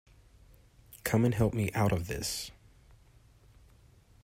Come and help me out of this!’